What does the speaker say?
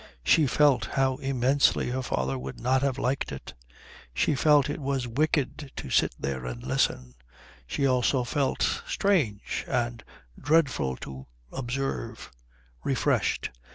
She felt how immensely her father would not have liked it. She felt it was wicked to sit there and listen. She also felt, strange and dreadful to observe, refreshed.